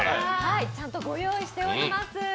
ちゃんとご用意しております。